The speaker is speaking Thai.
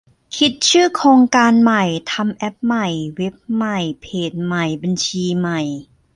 คิดชื่อโครงการใหม่ ทำแอปใหม่ เว็บใหม่ เพจใหม่ บัญชีใหม่